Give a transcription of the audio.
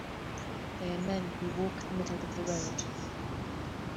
They are men who walk the middle of the road.